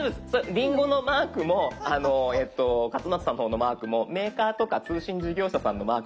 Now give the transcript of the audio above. リンゴのマークも勝俣さんの方のマークもメーカーとか通信事業者さんのマークなんですけど。